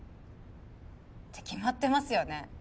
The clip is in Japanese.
って決まってますよね